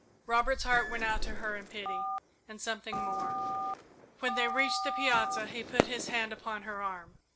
Robert's heart went out to her in pity, and something more. When they reached the piazza he put his hand upon her arm.